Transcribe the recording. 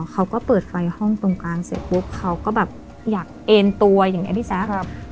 เขาก็เปิดไฟห้องตรงกลางเสร็จปุ๊บเขาก็แบบอยากเอ็นตัวอย่างนี้พี่แจ๊ค